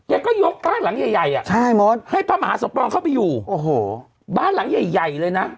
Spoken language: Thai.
แกก็ยกบ้านหลังใหญ่อะให้พระมหาสปองเข้าไปอยู่บ้านหลังใหญ่เลยนะ